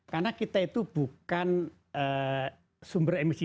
karena kita itu bukan sumber emisi